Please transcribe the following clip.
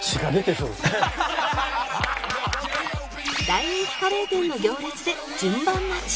大人気カレー店の行列で順番待ち